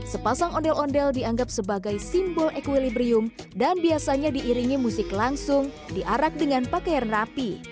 sepasang ondel ondel dianggap sebagai simbol ekwilibrium dan biasanya diiringi musik langsung diarak dengan pakaian rapi